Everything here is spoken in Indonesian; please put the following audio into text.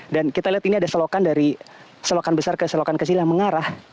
dan kita lihat ini ada selokan dari selokan besar ke selokan kecil yang mengarah